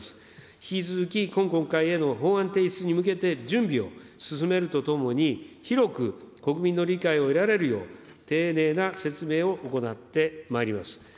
引き続き今国会への法案提出に向けて、準備を進めるとともに、広く国民の理解を得られるよう、丁寧な説明を行ってまいります。